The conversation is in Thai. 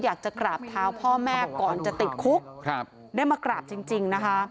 อยากจะกราบเท้าพ่อแม่ก่อนจะติดคุกได้มากราบจริงนะคะ